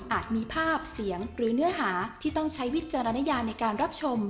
มีภาพเสียงหรือเนื้อหาที่ต้องใช้วิจารณญาในการรับชม